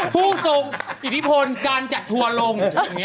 ผู้ทรงอิทธิพลการจัดทัวร์ลง